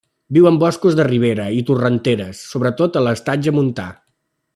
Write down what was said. Viu en boscs de ribera i torrenteres, sobretot a l'estatge montà.